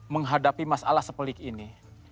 menghadapi masalah sepelik ini